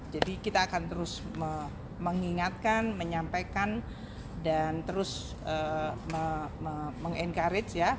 jadi kita akan terus mengingatkan menyampaikan dan terus mengencourage ya